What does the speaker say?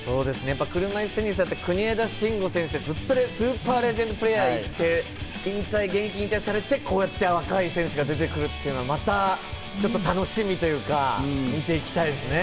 車いすテニス、国枝慎吾選手、ずっとスーパーレジェンドプレーヤーがいて、現役引退されて、こうやって若い選手が出てくるというのは、またちょっと楽しみというか、見ていきたいですね。